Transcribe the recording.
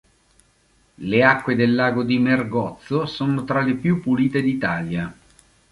Le acque del lago di Mergozzo sono tra le più pulite d'Italia.